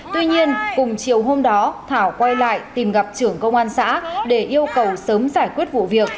tuy nhiên cùng chiều hôm đó thảo quay lại tìm gặp trưởng công an xã để yêu cầu sớm giải quyết vụ việc